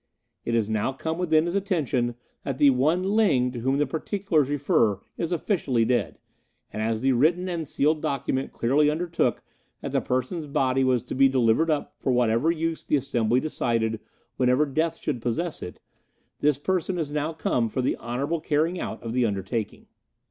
It has now come within his attention that the one Ling to whom the particulars refer is officially dead, and as the written and sealed document clearly undertook that the person's body was to be delivered up for whatever use the Assembly decided whenever death should possess it, this person has now come for the honourable carrying out of the undertaking."